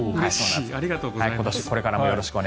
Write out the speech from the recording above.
ありがとうございます。